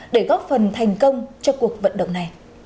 để góp phần thành công cho cuộc vận động này